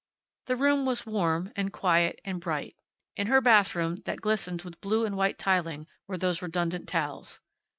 The room was warm, and quiet, and bright. In her bathroom, that glistened with blue and white tiling, were those redundant towels.